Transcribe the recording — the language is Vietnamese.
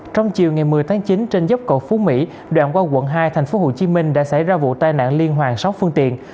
trong chiều ngày một mươi tháng chín trên dốc cầu phú mỹ đoạn qua quận hai thành phố hồ chí minh đã xảy ra vụ tai nạn liên hoàn sáu phương tiện